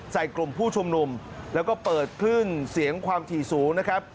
กลุ่มผู้ชุมนุมแล้วก็เปิดคลื่นเสียงความถี่สูงนะครับ